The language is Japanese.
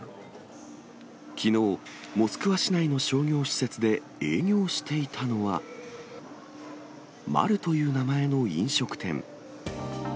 きのう、モスクワ市内の商業施設で営業していたのは、マルという名前の飲食店。